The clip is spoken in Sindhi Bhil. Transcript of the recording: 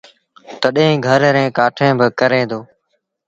تڏهيݩ گھر ريٚݩ ڪآٺيٚن با ڪري دو